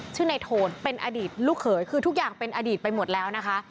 ชื่อในโทนเป็นอดีตลูกเขยคือทุกอย่างเป็นอดีตไปหมดแล้วนะคะ